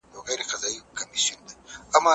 سياسي تنوع د ټولني لپاره ګټوره ده.